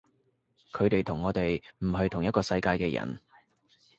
佢哋同我哋唔係同一個世界嘅人